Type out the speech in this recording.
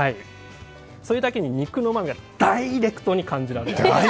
それだけに肉のうまみがダイレクトに感じられるんです。